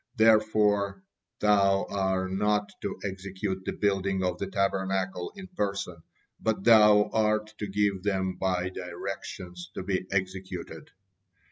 Therefore thou are not to execute the building of the Tabernacle in person, but thou art to give them thy directions to be executed."